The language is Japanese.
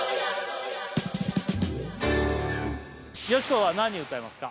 よしこは何歌いますか？